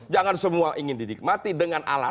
jangan semua ingin dinikmati dengan alasan